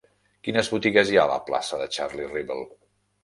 Quines botigues hi ha a la plaça de Charlie Rivel?